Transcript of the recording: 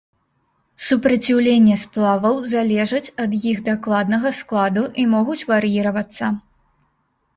Супраціўленне сплаваў залежаць ад іх дакладнага складу і могуць вар'іравацца.